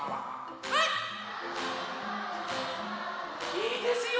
いいですよ！